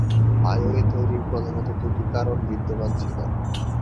Highway তৈরির প্রধাণত দুটি কারণ বিদ্যমান ছিল।